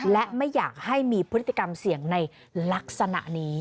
และไม่อยากให้มีพฤติกรรมเสี่ยงในลักษณะนี้